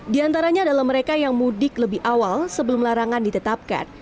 di antaranya adalah mereka yang mudik lebih awal sebelum larangan ditetapkan